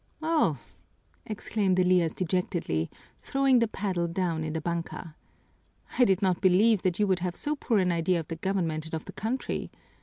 "Oh!" exclaimed Elias dejectedly, throwing the paddle clown in the banka, "I did not believe that you would have so poor an idea of the government and of the country.